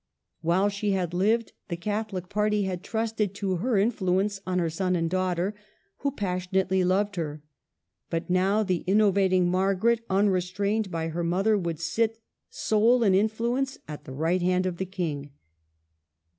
While she had lived, the Catholic party had trusted to her influence on her son and daughter, who passionately loved her; but now the innovating Margaret, unre strained by her mother, would sit, sole in influence, at the right hand of the King.